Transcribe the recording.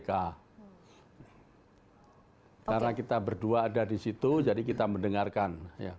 karena kita berdua ada di situ jadi kita mendengarkan